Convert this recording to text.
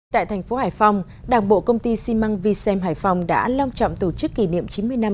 tại thành phố hải phòng đảng bộ công ty ximang visem hải phòng đã long trọng tổ chức kỷ niệm chín mươi năm